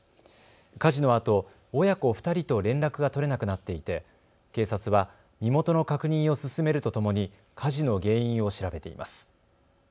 火事のあと親子２人と連絡が取れなくなっていて警察は身元の確認を進めるとともに火事の原因を調べています。